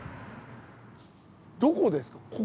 どこですか？